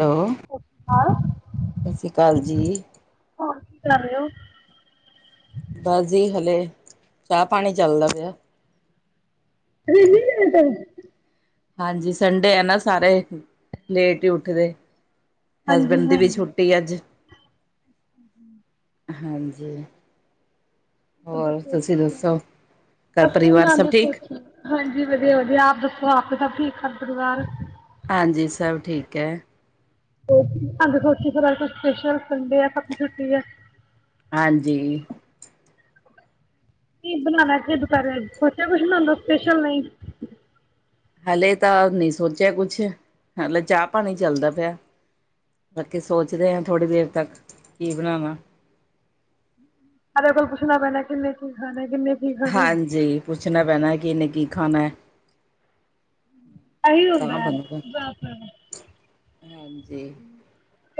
Hello, ਸਤਿ ਸ਼੍ਰੀ ਅਕਾਲ, ਸਤਿ ਸ਼੍ਰੀ ਅਕਾਲ ਜੀ। ਹੋਰ ਕੀ ਕਰ ਰਹੇ ਹੋ? ਬਸ ਜੀ ਹਲੇ ਚਾਹ ਪਾਣੀ ਚੱਲਦਾ ਪਿਆ। ਰੀਲਿਏਟ ਏ। ਹਾਂਜੀ, ਸੰਡੇ ਐ ਨਾ ਸਾਰੇ ਲੇਟ ਹੀ ਉੱਠਦੇ। ਹਾਂਜੀ ਹੈਸਬੈਂਡ ਦੀ ਵੀ ਹਾਂਜੀ। ਛੁੱਟੀ ਅੱਜ। ਹਾਂਜੀ। ਹੋਰ ਦੱਸੋ ਕੀ ਤੁਸੀਂ ਦੱਸੋ ਬਣਾਇਆ? ਘਰ ਲੱਸੀ ਪਰਿਵਾਰ ਸਭ ਬਣਾਉਂਦੇ ਪਏ ਠੀਕ। ਸੀ। ਹਾਂਜੀ, ਵਧੀਆ ਵਧੀਆ ਆਪ ਦੱਸੋ ਆਪ ਕੇ ਸਭ ਠੀਕ ਘਰ ਪਰਿਵਾਰ। ਹਾਂਜੀ, ਸਭ ਠੀਕ ਹੈ। ਅੱਜ ਸਪੈਸ਼ਲ ਸੰਡੇ ਆ ਸਭ ਦੀ ਛੁੱਟੀ ਐ। ਹਾਂਜੀ। ਕੀ ਬਨਾਣਾ ਜਿੱਦ ਕਰ ਰਿਹਾ ਸੋਚਿਆ ਕੁਛ ਬਨਾਣ ਦਾ ਸਪੈਸ਼ਲ ਲਈ ਹਲੇ ਤਾਂ ਨੀ ਸੋਚਿਆ ਕੁਛ ਹਲੇ ਚਾਹ ਪਾਣੀ ਚੱਲਦਾ ਪਿਆ। ਬਾਕੀ ਸੋਚਦੇ ਆਂ ਥੋੜ੍ਹੀ ਦੇਰ ਤੱਕ ਕੀ ਬਣਾਵਾ। ਸਾਰਿਆਂ ਕੋਲੋ ਪੁੱਛਣਾ ਪੈਂਦਾ ਕਿੰਨੇ ਕੀ ਖਾਣਾ ਕੀਨੇ ਕੀ। ਖਾਣਾ ਹਾਂਜੀ ਪੁੱਛਣਾ ਪੈਣਾ ਕਿੰਨੇ ਕੀ ਖਾਣਾ। ਐਹੀ ਹੁੰਦਾ ਤਾਂ ਬਣੂਗਾ ਹਾਂਜੀ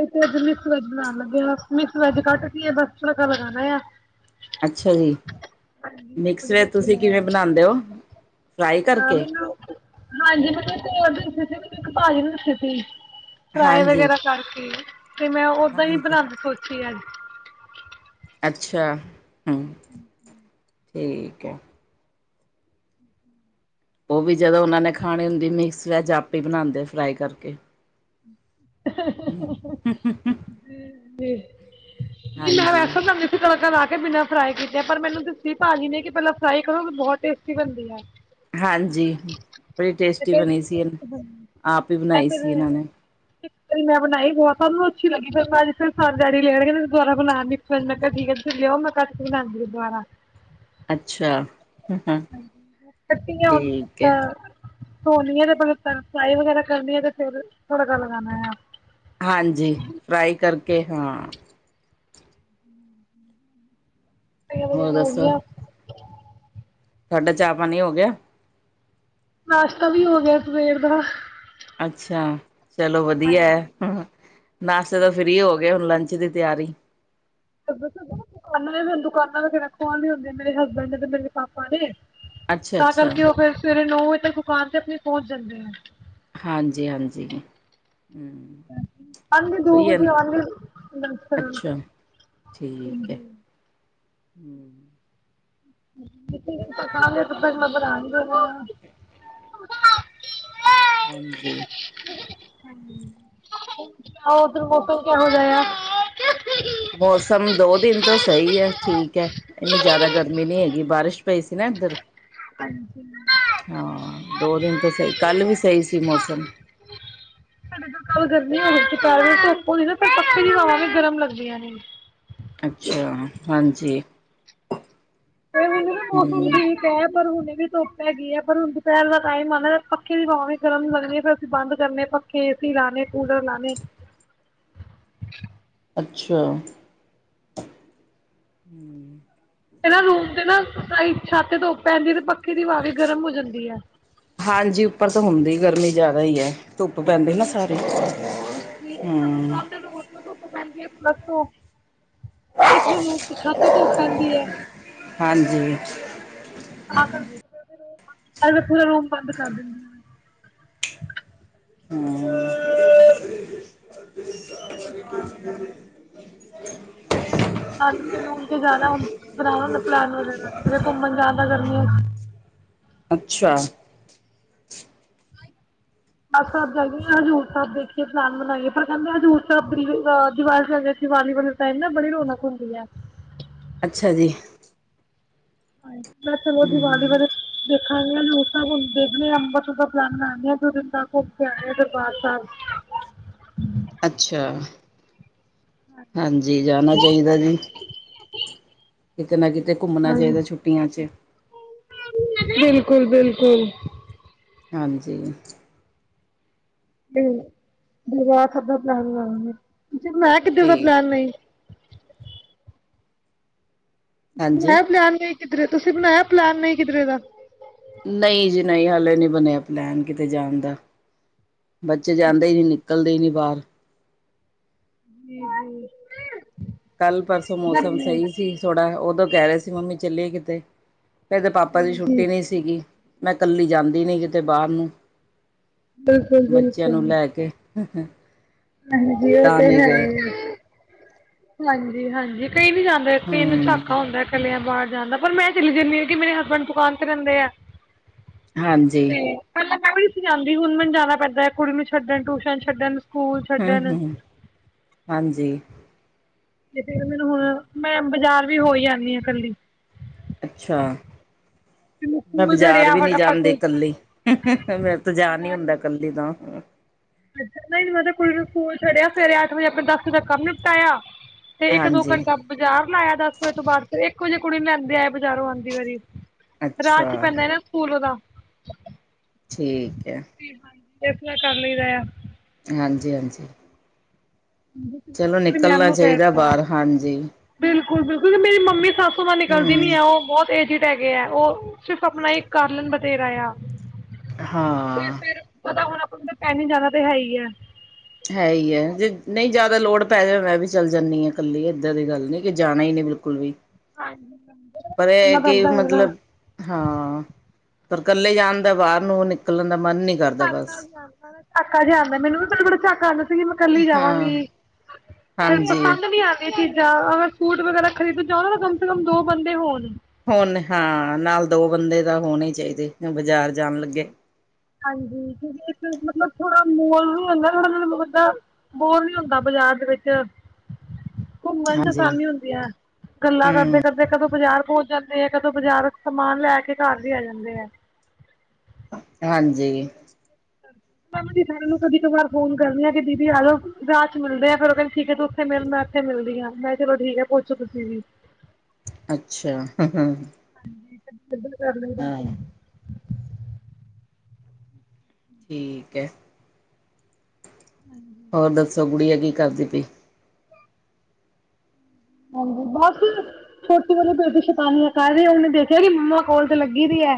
ਅੱਜ ਮਿਕਸ ਵੈਜ ਬਣਾਉਣ ਲੱਗੇ ਬਸ ਮਿਕਸ ਵੈਜ ਕੱਟਤੀ ਐ ਬਸ ਤੜਕਾ ਲਗਾਣਾ ਆ। ਅੱਛਾ ਜੀ, ਮਿਕਸ ਵੈਜ ਤੁਸੀਂ ਕਿਵੇਂ ਹਾਂਜੀ ਬਣਾਉਂਦੇ ਹੋ? ਫਰਾਈ ਹਾਂ ਕਰਕੇ ਮੈਨੂੰ ਹਾਂਜੀ ਮੈਨੂੰ ਤੇਲ ਦਸੀ ਸੀ ਕਿੰਨੀ ਕ ਪਾ ਦੇਣੀ ਵਿੱਚ ਤੁਸੀ ਫਰਾਈ ਹਾਂਜੀ ਵਗੈਰਾ ਕਰਕੇ ਤੇ ਮੈਂ ਓਦਾਂ ਹੀ ਹਾਂਜੀ ਬਣਾਉਣੀ ਸੋਚੀ ਆ ਅੱਜ। ਅੱਛਾ ਹੁੰ, ਠੀਕ ਹੈ। ਹਮ ਉਹ ਵੀ ਜਦੋਂ ਉਹਨਾਂ ਨੇ ਖਾਣੀ ਹੁੰਦੀ ਮਿਕਸ ਵੈਜ ਆਪੇ ਬਣਾਉਂਦੇ ਫਰਾਈ ਕਰਕੇ। [inaudible] ਹਮ ਨੇ ਨੇ ਨਹੀ ਮੈਂ ਹਾਂਜੀ ਵੈਸੇ ਤਾਂ ਮਿਕਸ ਤੜਕਾ ਲਾ ਕੇ ਬਿਨਾਂ ਫਰਾਈ ਕੀਤੇ ਪਰ ਮੈਨੂੰ ਦੱਸੀ ਭਾਜੀ ਨੇ ਕਿ ਪਹਿਲਾਂ ਫਰਾਈ ਕਰੋ ਬਹੁਤ ਟੇਸਟੀ ਬਣਦੀ ਐ। ਹਾਂਜੀ, ਬੜੀ ਤੇ ਟੇਸਟੀ ਫਿਰ ਬਣੀ ਸੀ ਇਨ ਮੈਂ ਆਪ ਹੀ ਬਣਾਈ ਫਿਰ ਸੀ ਇਹਨਾਂ ਨੇ। ਇੱਕ ਵਾਰੀ ਮੈਂ ਬਣਾਈ ਵੋ ਸਭ ਨੂੰ ਅੱਛੀ ਲਗੀ ਫੇਰ ਡੈਡੀ ਲੇ ਆਏ ਕਹਿੰਦੇ ਦੁਬਾਰਾ ਬਣਾ ਮਿਕਸ ਫੇਰ ਮੈਂ ਕਿਹਾ ਠੀਕ ਆ ਲਿਆਓ ਮੈਂ ਕੱਟ ਕੇ ਬਣਾਉਂਦੀ ਦੁਬਾਰਾ ਅੱਛਾ ਹਾਂ ਕੱਤੀਆਂ ਹੋਣ ਠੀਕ ਹੈ ਤਾਂ ਧੋਣੀ ਹੈ ਤੇ ਪਲ ਫਰਾਈ ਵਗੈਰਾ ਕਰਨੀ ਹੈ ਤੇ ਫੇਰ ਤੜਕਾ ਲਗਾਉਣਾ ਹੈ ਹਾਂਜੀ ਫਰਾਈ ਕਰਕੇ ਹਾਂ ਹੋਰ [unintelligible] ਵ ਹੋਗੀਆਂ ਤਾਡਾ ਚਾਹ ਪਾਣੀ ਹੋ ਗਿਆ ਨਾਸ਼ਤਾ ਵੀ ਹੋ ਗਿਆ ਸਵੇਰ ਦਾ ਅੱਛਾ ਚਲੋ ਵਧੀਆ ਹਾਂਜੀ। ਹੈ ਹ ਨਾਸ਼ਤਾ ਤਾਂ ਫ੍ਰਰੀ ਹੋ ਗ ਕਰੋ ਲੰਚ ਦੀ ਤਿਆਰੀ ਸ ਦੁਕਾਨਾਂ ਨੇ ਮੂੰ ਦੁਕਾਨਾਂ ਤੇ ਕਿਹੜਾ ਖਣ ਲ ਹੁੰਦੀ [unintelligible] ਮੇਰੇ ਹਸਬੈਂਡ ਨੇ ਤੇ ਮੇਰੇ ਪਾਪਾ ਨੇ ਤਾਂ ਅੱਛਾ-ਅੱਛਾ, ਕਰਕੇ ਉਹ ਫੇਰ ਸਵੇਰੇ ਨੌ ਵਜੇ ਤੱਕ ਦੁਕਾਨ ਤੇ ਆਪਣੀ ਪਹੁੰਚ ਜਾਂਦੇ ਹਾਂਜੀ ਹਾਂਜੀ ਹੁੰ ਆਉਂਦੇ ਦੋ ਵਜੇ ਆਉਣਗੇ ਲੰਚ ਕਰਨ ਅੱਛਾ ਠੀਕ ਹੈ ਹਮ ਲਿਟੀ ਚੋਖਾ ਖਾਣਗੇ ਫੇਰ ਨਜ਼ਰ ਆਉਣਗੇ ਬੋ ਹਾਂਜੀ ਹਾਂਜੀ ਆ [unintelligible] ਉਧਨੂੰ ਫਰ ਕ ਜਾ ਆ ਮੌਸਮ ਦੋ ਦਿਨ ਤੋਂ ਸਹੀ ਐ ਠੀਕ ਹੈ ਇੰਨੀ ਜ਼ਿਆਦਾ ਗਰਮੀ ਨਹੀਂ ਹੈਗੀ ਬਾਰਿਸ਼ ਪਈ ਸੀ ਨਾ ਇੱਧਰ ਹਾਂਜੀ ਹਾਂਜੀ ਹਾਂ ਦੋ ਦਿਨ ਤੋਂ ਸਈ ਕੱਲ ਵੀ ਸਈ ਸੀ ਮੌਸਮ ਕਲ ਗਰਮੀ ਹੋ ਗਈ ਦੁਪਹਿਰੇ ਧੁੱਪ ਹੋਵੇ ਨਾ ਫੇਰ ਪੱਕੇ ਦੀ ਹਵਾ ਵੀ ਗਰਮ ਲੱਗਦੀਆਂ ਨੇ ਅੱਛਾ ਹਾਂਜੀ ਕਈ ਵਾਰੀ ਮੈਨੂੰ ਮੌਸਮ ਹੂੰ ਠੀਕ ਪਹਿਰ ਹੁਣੇ ਵੀ ਧੁੱਪ ਹੈ ਗਈ ਹੈ ਪਰ ਹੁਣ ਦੁਪਹਿਰ ਦਾ ਟਾਈਮ ਆ ਨਾ ਪੱਖੇ ਦੀ ਹਵਾਂ ਵੀ ਗਰਮ ਲੱਗਣੀ ਫੇਰ ਅਸੀਂ ਬੰਦ ਕਰਨੇ ਪੱਖੇ ਕੇਸੀ ਲਾਣੇ ਕੂਲਰ ਲਾਣੇ ਅੱਛਾ ਇਹ ਨਾ ਰੂਮ ਤੇ ਨਾ ਸਾਈਡ ਛੱਤ ਤੇ ਧੁੱਪ ਪੈਂਦੀ ਤੇ ਪੱਖੀ ਦੀ ਹਵਾ ਵੀ ਗਰਮ ਹੋ ਜਾਂਦੀ ਐ। ਹਾਂਜੀ, ਉੱਪਰ ਤਾਂ ਹੁੰਦੀ ਗਰਮੀ ਜ਼ਿਆਦਾ ਈ ਐ। ਧੁੱਪ ਪੈਂਦੀ ਨਾ ਸਾਰੇ ਬਿਲਕੁਲ ਜੀ ਇੱਕ ਸਾਨੂੰ ਹੂੰ, ਸਾਹਮਣੇ ਰੋਡ ਧੁੱਪ ਪੈਂਦੀ ਐ [unintelligible] [unintelligible] ਛੱਤ ਤੇ ਧੁੱਪ ਪੈਂਦੀ ਐ। ਹਾਂਜੀ ਆ ਕਰ [unintelligible] ਪੂਰਾ ਰੂਮ ਬੰਦ ਕਰ ਦਿੰਦੀ। ਹਾਂ [inaudible] [inaudible] [inaudible] ਨਾਨਕੇ ਨੂੰਨਕੇ ਜਾਣਾ ਬਣਾਣਾ ਹੁੰਦਾ ਪਲੈਨ ਵਗੈਰਾ ਘੁੰਮਣ ਜਾਣ ਦਾ ਗਰਮੀਆਂ ਅੱਛਾ। ਸਾਹਿਬ ਜਾਈਏ ਹਜ਼ੂਰ ਸਾਹਿਬ ਦੇਖੀਏ ਪਲਾਨ ਬਨਾਈਏ ਪਰ ਕਹਿੰਦੇ ਹਜ਼ੂਰ ਸਾਹਿਬ ਦੀ ਦੀਵਾਲ ਚ ਆਈਏ ਦੀਵਾਲੀ ਵਾਲੇ, ਤਾਂ ਇਹ ਨਾ ਬੜੀ ਰੌਣਕ ਹੁੰਦੀ ਆ। ਅੱਛਾ ਜੀ। ਹਾਂਜੀ [unintelligible] ਦੀਵਾਲੀ ਵੇਲੇ ਦੇਖਾਂਗੇ [unintelligible] ਦੇਖਦੇ ਅੰਬਰਸਰ ਦਾ ਪਲਾਨ ਬਣਾਨੇ ਆ ਦੋ ਦਿਨ ਘੁੰਮ ਕੇ ਆਜਾਂਗੇ ਦਰਬਾਰ ਸਾਹਿਬ। ਅੱਛਾ। ਹਾਂਜੀ, ਜਾਣਾ ਚਾਹੀਦਾ ਜੀ ਕਿਤੇ ਨਾ ਕਿਤੇ। ਘੁੰਮਣਾ ਹਾਂਜੀ ਚਾਹੀਦਾ ਛੁੱਟੀਆਂ 'ਚ। ਬਿਲਕੁਲ ਬਿਲਕੁਲ। ਹਾਂਜੀ। ਦਰਵਾਰ ਸਾਬ ਦਾ ਪਲੈਨ ਬਣਾਈ ਆਂ, ਤੇ ਫਿਰ ਮੈਂ ਕਿੱਦਰ ਦਾ ਠੀਕ ਪਲੈਨ ਵੇ। ਹਾਂਜੀ ਬਣਾਇਆ ਪਲੈਨ ਨੀ ਕਿਧਰੇ ਤੁਸੀਂ ਬਣਾਇਆ ਪਲੈਨ ਨੀ ਕਿਧਰੇ ਦਾ। ਨਈ ਜੀ ਨਈ, ਹਲੇ ਨੀ ਬਣਿਆ ਪਲੈਨ ਕਿਤੇ ਜਾਣ ਦਾ। ਬੱਚੇ ਜਾਂਦੇ ਈ ਨੀ ਨਿਕਲਦੇ ਈ ਨੀ ਬਾਹਰ। [unintelligible] ਕੱਲ ਪਰਸੋਂ ਮੌਸਮ ਸਹੀ ਸੀ ਥੋੜਾ ਉਦੋਂ ਕਹਿ ਰੇ ਸੀ ਮੰਮੀ ਚੱਲੀਏ ਕਿਤੇ। ਇਹਦੇ ਪਾਪਾ ਦੀ ਹਾਂਜੀ ਛੁੱਟੀ ਨੀ ਸੀ ਗੀ ਮੈਂ ਕੱਲੀ ਜਾਂਦੀ ਨੀ ਕਿਤੇ ਬਾਹਰ ਨੂੰ। ਬਿਲਕੁਲ ਬੱਚਿਆਂ ਬਿਲਕੁਲ ਨੂੰ ਲੇ ਕੇ ਅਸੀਂ ਹਾਂਜੀ ਉਹ ਤਾਂ ਤੇ ਨੀ ਹੈ ਗਏ। ਹਾਂਜੀ ਹਾਂਜੀ, ਕਈ ਨੀ ਜਾਂਦੇ ਤੋਂ ਹਮ [unintelligible] ਹੁੰਦਾ। ਚਲਿਆ ਬਾਹਰ ਜਾਣ ਦਾ ਪਰ ਮੈਂ ਚਲੀ ਜਾਨੀ ਆ ਕੇ ਮੇਰੇ ਹਸਬੈਂਡ ਦੁਕਾਨ ਤੇ ਰਹਿੰਦੇ ਐ। ਹਾਂਜੀ ਤੇ। ਪਹਿਲਾਂ ਮੈਂ ਵੀ ਨੀ ਸੀ ਜਾਂਦੀ ਹੁਣ ਮੈਨੂੰ ਜਾਣਾ ਪੈਂਦਾ ਕੁੜੀ ਨੂੰ ਛੱਡਣ ਟਿਊਸ਼ਨ ਛੱਡਣ। ਸਕੂਲ ਹੂੰ ਛੱਡਣ ਹੂੰ, ਹਾਂਜੀ। [unintelligible] ਮੈਂ ਬਾਜ਼ਾਰ ਵੀ ਹੋਈ ਆਨੀ ਆ ਕੱਲੀ। ਅੱਛਾ। ਮੈਨੂੰ ਮੈਂ ਸਕੂਲ ਬਾਜ਼ਾਰ ਛੱਡਿਆ ਵੀ ਨੀ ਫਟਾਫਟ ਜਾਂਦੀ ਕੱਲੀ ਮੈਥੋਂ ਜਾ ਨੀ ਮੈਂ ਹੁੰਦਾ ਕੱਲੀ। ਜਿੱਦਾਂ। ਨਹੀਂ -ਨਹੀਂ ਮਤਲਬ ਕੁੜੀ ਨੂੰ ਸਕੂਲ ਛੱਡੀਆ, ਸਵੇਰੇ ਅੱਠ ਵਜੇ ਆਪਣੇ ਦਸ ਵਜੇ ਤਕ ਕੰਮ ਨਿਪਟਾਇਆ। ਤੇ ਇੱਕ ਦੋ ਹਾਂਜੀ ਘੰਟੇ ਬਾਜ਼ਾਰ ਲਾਇਆ ਦਸ ਵਜੇ ਤੋਂ ਬਾਅਦ ਇਕ ਵਜੇ ਕੁੜੀ ਲਿਆਂਦੇ ਆਏ ਬਾਜ਼ਾਰੋਂ ਆਂਦੀ ਵਾਰੀ। ਰਾਹ ਅੱਛਾ ਚ ਈ ਪੈਂਦਾ ਨਾ ਤੂਤ ਦਾ। ਠੀਕ ਐ। ਸਟੇਟਨਰ ਕਰ ਲਈਦਾ ਏ। ਹਾਂਜੀ ਹਾਂਜੀ। ਚਲੋ ਆਪਣੀ ਮੈਮ ਨਿਕਲਣਾ ਨੂੰ ਕਹਿ ਚਾਹੀਦਾ ਦਿੱਤਾ ਬਾਹਰ ਹਾਂਜੀ। ਬਿਲਕੁਲ ਬਿਲਕੁਲ ਮੇਰੀ ਮੰਮੀ ਸਾਸੂ ਮਾਂ ਨਿਕਲਦੀ ਹਮ ਨੀ ਓ ਬਹੁਤ ਐਡਿਡ [unintelligible] ਉਹ ਸਿਰਫ ਆਪਣਾ ਇੱਕ ਕਾਲਰ ਬਥੇਰਾ ਏ ਆ ਤੇ ਫਿਰ ਹਾਂ ਫਿਰ ਪੱਤਾ ਹੁਣ ਆਪਾਂ ਨੂੰ ਟੈਨੀ ਜਿਆਦਾ ਤਾ ਹੈ ਹੀ ਹੈ। ਹੈ ਹੀ ਹੈ ਨਹੀਂ ਜਿਆਦਾ ਲੋੜ ਪੈ ਜਾਂਦੀ ਮੈਂ ਵੀ ਚਲੀ ਜਾਨੀ ਆ ਕੱਲੀ ਇਦਾਂ ਦੀ ਗੱਲ ਨਹੀਂ ਕੀ ਜਾਣਾ ਇ ਨਹੀਂ ਬਿਲਕੁਲ ਵੀ। ਹਾਂਜੀ। ਪਰ ਏਹ ਹੈ ਕਿ ਮਤਲਬ। ਹਾਂ ਪਰ ਇਕੱਲੇ ਜਾਣ ਦਾ ਬਾਹਰ ਨੂੰ ਉਹ ਨਿਕਲਣ ਦਾ ਮਨ ਨੀ। ਝਾਕਾ ਜਿਹਾ ਆਂਦਾ ਮੈਨੂੰ ਵੀ ਥੋੜਾ- ਥੋੜਾ ਝਾਕਾ ਆਂਦਾ ਸੀ ਮੈਂ ਕੱਲੀ ਹਾਂ ਜਾਵਾਂਗੀ। ਫੇਰ ਹਾਂਜੀ ਪਸੰਦ ਨਹੀਂ ਆਯਾ। ਚੀਜ਼ਾਂ ਹਾ ਸੂਟ ਵਗੈਰਾ ਖਰੀਦਣ ਜਾਣ ਹੈ ਤਾਂ ਕਮ ਸੇ ਕਮ ਦੋ ਬੰਦੇ ਹੋਣ। ਹੁਣ ਹਾਂ, ਨਾਲ ਦੋ ਬੰਦੇ ਦਾ ਹੋਣੇ ਹੀ ਚਾਹੀਦੇ ਬਾਜ਼ਾਰ ਜਾਣ ਲੱਗੇ। ਹਾਂਜੀ ਮਤਲਬ ਜੇ ਥੋੜਾ ਮੋਲ ਵੀ ਹੁੰਦਾ ਥੋੜਾ- ਥੋੜਾ ਮੋਟਾ। ਬੋਰ ਨੀ ਹੁੰਦਾ ਬਾਜ਼ਾਰ ਦੇ ਵਿੱਚ, ਘੁੰਮਣ ਚ ਹਾਂਜੀ ਆਸਾਨੀ ਹੁੰਦੀ ਹੈ। ਗੱਲਾਂ ਕਰਦੇ- ਹੂੰ ਕਰਦੇ ਕਦੋਂ ਬਾਜ਼ਾਰ ਪਹੁੰਚ ਜਾਂਦੇ ਆ ਕਦੋਂ ਬਾਜ਼ਾਰ ਸਮਾਨ ਲੈ ਕੇ ਘਰ ਵੀ ਆ ਜਾਂਦੇ ਆ ਨੇ। ਹਾਂਜੀ। ਪਰਮਜੀਤ ਦੀਦੀ ਨੂੰ ਕਦੀ ਕਦਾਰ ਫੋਨ ਕਰਦੀ ਆ ਕਿ ਦੀਦੀ ਆਜੋ ਰਾਹ ਚ ਮਿਲਦੇ ਆ ਫੇਰ ਉਹ ਕਹਿੰਦੇ ਠੀਕ ਹੈ ਤੂੰ- ਮਿਲਣ ਆਸਤੇ ਮਿਲਦੀ ਆ ਮੈਂ ਕਿਹਾ ਚਲੋ ਠੀਕ ਐ ਪਹੁੰਚੋ ਤੁਸੀਂ ਵੀ। ਅੱਛਾ ਹ ਹ ਠੀਕ ਕਰ [unintelligible] ਲੇ ਦਾਤੋ ਠੀਕ ਹੈ, ਹੋਰ ਦੱਸੋ ਗੁੜੀਆ ਕੀ ਕਰਦੀ ਪਈ? ਹਾਂਜੀ ਬਸ, ਛੋਟੇ ਵਾਲੀ ਬੇਟੀ ਸਤਾਨਿਆ ਕਰ ਰਹੀ ਉਹਨੇ ਦੇਖਿਆ ਕਿ ਮਮਾ ਕੋਲ ਤੇ ਲੱਗੀ ਪਈ ਹੈ।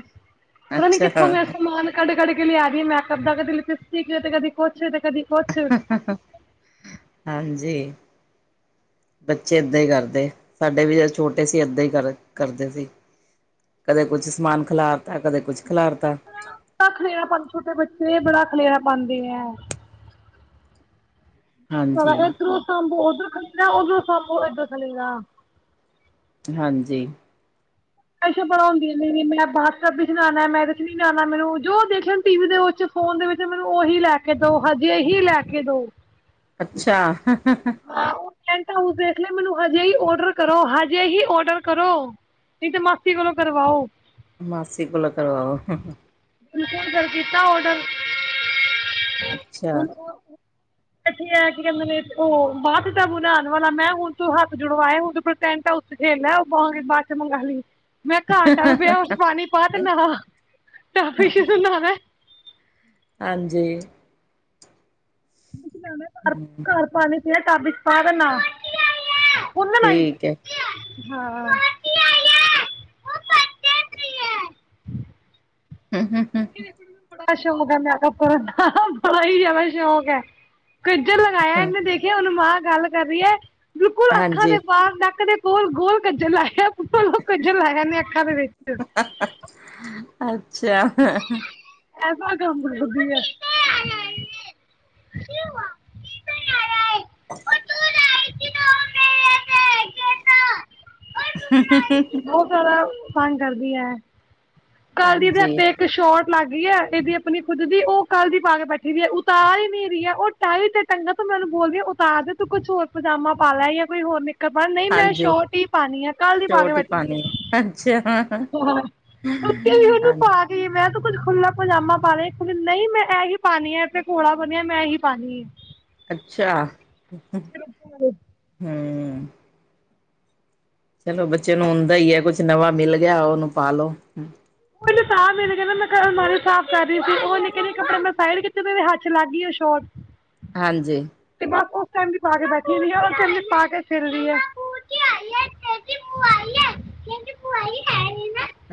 ਪਤਾ ਨੀ ਅੱਛਾ ਕਿੱਥੋਂ ਮੈਂਰਾ ਹਾਂ ਸਮਾਨ, ਕੱਢ- ਕੱਢ ਕੇ ਲਿਆ ਰਹੀ ਹੈ ਮੈਕਅਪ ਦਾ ਕਦੇ ਲਿਪਸਟਿਕ ਹੈ ਤੇ ਕਦੀ ਕੁਛ- ਤੇ ਕਦੇ ਕੁਛ। ਹ‌ ਬੜਾ ਹ ਹਾਂਜੀ। ਬੱਚੇ ਏਦਾਂ ਹੀ ਕਰਦੇ, ਸਾਡੇ ਵੀ ਜ ਛੋਟੇ ਸੀ ਏਦਾਂ ਹੀ ਕਰਦੇ ਸੀ। ਕਦੇ ਕੁਛ ਸਮਾਨ ਖਿਲਾਰਤਾ, ਕਦੇ ਕੁਛ ਖਿਲਾਰਤਾ। ਐਡਾ ਖਲੇਰਾ ਪਾਉਂ ਛੋਟੇ ਬੱਚੇ ਬੜਾ ਖਲੇਰਾ ਪਾਉਂਦੇ ਹੈ, ਹਾਂਜੀ ਇਧਰੋਂ ਸਾਂਬੋ ਉਧਰ ਖਲੇਰਾ ਉਧਰੋਂ ਸਾਂਬੋ ਇਧਰ ਖਲੇਰਾ। ਹਾਂਜੀ, ਸ਼ ਬੜਾਉਂਦੀਆਂ ਨੇ ਨਹੀਂ- ਨਹੀਂ ਮੈਂ ਬਾਤ ਕਰ ਰਹੀ ਸੀ ਮੈਂ-ਮੈਂ ਮੈਂ ਬਸਣਾ ਮੈਂ ਮੈਨੂੰ ਜੋ ਦੇਖਿਆ ਟੀ ਵੀ ਦੇ ਵਿੱਚ, ਫੋਨ ਦੇ ਵਿੱਚ ਮੈਨੂੰ ਉਹੀ ਲੈ ਕੇ ਦੋ, ਹਜੇ ਹੀ ਲੈ ਕੇ ਦੋ। ਅੱਛਾ, ਾਊ ਦੇਖ ਲੇ ਮੈਨੂੰ ਹਜੇ ਹੀ ਓਡਰ ਕਰੋ ਹਜੇ ਹੀ ਓਡਰ ਕਰੋ ਨਹੀਂ ਤੇ ਮਸਤੀ ਕੋਲੋਂ ਕਰਵਾਓ। ਮਾਸੀ ਕੋਲੋਂ ਕਰਵਾਓ, ਹੁਣ ਫੇਰ ਕਲ ਕੀਤਾ ਔਡਰ, ਅੱਛਾ ਇਥੇ ਕੀ ਕਹਿੰਦੇ ਨੇ ਉਹ ਬਾਅਦ ਦਾ ਬੁਲਾਲੈਣ ਵਾਲਾ ਮੈਂ ਹੁਣ ਤੂੰ ਹੱਥ ਜੋੜ ਵਾਇਆ ਹੁਣ ਤੂੰ ਟੈਂਟ ਹਾਊਸ, ਤੇਠੇ ਲ ਉਹ ਬਾਂਗੇ ਬਾਅਦ ਮੰਗ ਲਈ ਮੈਂ ਕਿਹਾ ਘਰ ਟੱਪ ਪਿਆ ਉਹਦੇ ਚ ਪਾਣੀ ਪਾ ਤੇ ਨਾ ਟਾਪ ਵਿੱਚ ਤੇ ਨਹਾਉਣਾ ਹੈ। ਹਾਂਜੀ। ਘਰ ਪਾਣੀ ਪਿਆ ਟੱਪ ਵਿਚ ਪਾ ਤੇ ਨਾਹ। ਉਨਾ ਨਾ ਨਾਹੀਂ ਠੀਕ ਹੈ ਹਾਂ। ਹੂੰ-ਹੂੰ, ਹੂੰ- ਹੂੰ। ਬੜਾ ਸ਼ੌਕ ਹੈ ਮੇਰਾ ਕੱਪੜ ਬੜਾ ਹੀ ਜਿਆਦਾ ਸ਼ੌਕ ਹੈ। ਕਜਲ ਲਗਾਇਆ ਇਹਨੇ ਦੇਖਿਆ ਉਹਨੂੰ ਮਾਂ ਗੱਲ ਕਰ ਰਹੀ ਹੈ ਬਿਲਕੁਲ ਅੱਖਾਂ ਹਾਂਜੀ ਦੇ ਪਾਸ ਨਕ ਦੇ- ਗੋਲ ਗੋਲ ਕੱਜਲ ਲਾਇਆੱਪ ਕੱਜਲ ਲਾਇਆ ਨੇ ਅੱਖਾਂ ਦੇ ਵਿੱਚ ਅੱਛਾ,, ਐਸਾ ਕੰਮ ਕਰਦੀ ਆ, ਕੀ ਆ [unintelligible] ਅ [unintelligible] ਹ [unintelligible] [unintelligible] ਬਹੁਤ ਜ਼ਿਆਦਾ ਤੰਗ ਕਰਦੀ ਹੈ ਕੱਲ ਦੀ ਹਾਂਜੀ ਅਧਹਾਤੇ ਇੱਕ ਸ਼ੋਰਟ ਲੱਗ ਗਈ ਹੈ ਇਹਦੀ ਆਪਣੀ ਖੁਦ ਦੀ ਉਹ ਕੱਲ੍ਹ ਦੀ ਪਾ ਕੇ ਬੈਠੀ ਦੀ ਹੈ ਉਤਾਰ ਨਹੀਂ ਹੀ ਮੇਰੀ ਹੈ ਉਹ ਤ ਤੇ ਟੰਗਾ ਤ ਮੈਨੂੰ ਬੋਲ, ਉਤਾਰ ਦੇ ਤੂੰ ਕੁਛ ਹੋਰ ਪਜਾਮਾ ਪਾ ਲੈ ਜਾਂ ਕੋਈ ਹੋਰ ਨਿਕਰ ਨਹੀਂ ਮੈਂ ਹਾਂਜੀ ਸ਼ੋਟ ਹੀ ਪਾਣੀ ਆ ਕੱਲ ਦੀ ਪਾ ਕੇ ਛੋਟ ਹੀ ਬੈਠੀ ਦੀ ਪਾਣੀ ਹੈ ਅੱਛਾ ਆ ਉਹਨੂੰ ਪਾ ਹਾਂਜੀ [unintelligible] ਮੈਂ ਤਾਂ ਕੁੱਝ ਖੁੱ੍ਹਲਾ ਪਜਾਮਾ ਪਾ ਲਿਆੁੱਲ ਨਹੀਂ ਮੈਂ ਇ ਹੀ ਪਾਉਣੀ ਆ ਇਥੇ ਘੋੜਾ ਬਣਿਆ ਮੈਂ ਇ ਹੀ ਪਾਣੀ ਆ ਅੱਛਾ, [unintelligible] ਹਮ [unintelligible] ਚਲੋ ਬੱਚੇ ਨੂੰ ਹੁੰਂਦਾ ਹੀ ਹੈ ਕੁਛ ਨਵਾਂ ਮਿਲ ਗਿਆ ਉਹਨੂੰ ਪਾਲੋ ਉਹ ਕਹਿੰਦਾ ਮੈਂ ਆਲਮਾਰੀ ਸਾਫ਼ ਕਰ ਰਹੀ ਸੀ ਉਹ ਨਿੱਕੇ ਕੱਪੜੇ ਮੈਂ ਸਾਈ ਹੱਥ ਲੱਗ ਗਈ ਉਹ ਸ਼ੋਟ ਹਾਂਜੀ, ਤੇ ਬਸ ਉਸ ਟਾਈਮ ਵੀ ਪਾ ਕੇ ਬੈਠੀ ਹੁੰਦੀ ਆ ਉਸ ਟਾਈਮ ਵੀ ਪਾ ਕੇ ਫਿਰਦੀ ਹੈ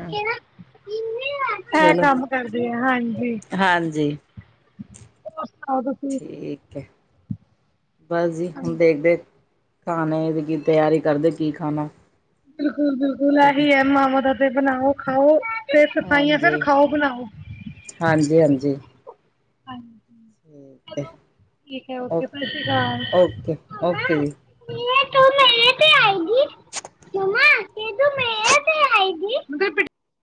ਹ ਇਹ ਚਲੋ ਕੰਮ ਕਰਦੇ ਆ ਹਾਂਜੀ, ਹਾਂਜੀ [unintelligible] ਠੀਕ ਹੈ [unintelligible] ਬਸ ਜੀ ਹੁਣ ਹਾਂਜੀ, ਦੇਖਦੇ ਖਾਣੇ ਦੀ ਕੀ ਤਿਆਰੀ ਕਰਦੇ ਕੀ ਖਾਣਾ ਬਿਲਕੁਲ ਬਿਲਕੁਲ ਇਹੀ ਹੈ ਮਾਵਾਂ ਦਾਦੇ ਬਣਾਓ ਖਾਓ ਤੇ ਸਤਾਹੀਆਂ ਫੇਰ ਹਾਂਜੀ ਖਾਓ ਬਣਾਓ ਹਾਂਜੀ ਹਾਂਜੀ, ਹ ਠੀਕ ਹੈ ਠੀਕ ਹੈ ਓ ਸਤਿ ਓਕੇ ਸ਼੍ਰੀ ਅਕਾਲ [unintelligible] ਓਕੇ ਓਕੇ ਜੀ ਤੂੰ ਮੇਰੇ ਤੇ ਆਈਗੀ, [unintelligible] ਮ ਆਏ